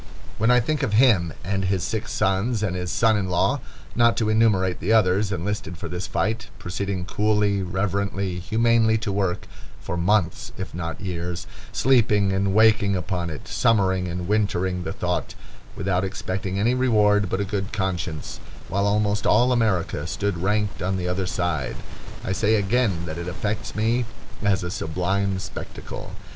When I think of him, and his six sons, and his son in law, not to enumerate the others, enlisted for this fight, proceeding coolly, reverently, humanely to work, for months if not years, sleeping and waking upon it, summering and wintering the thought, without expecting any reward but a good conscience, while almost all America stood ranked on the other side—I say again that it affects me as a sublime spectacle.